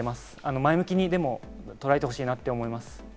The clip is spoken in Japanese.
前向きに捉えてほしいと思います。